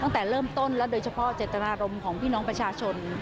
ตั้งแต่เริ่มต้นและโดยเฉพาะเจตนารมณ์ของพี่น้องประชาชน